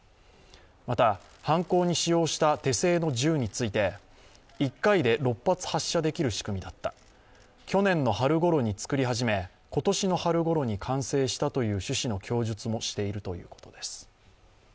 また、犯行に使用した手製の銃について１回で６発発射できる仕組みだった、去年の春ごろに作り始め、今年の春ごろに完成したという趣旨の供述もしているということです。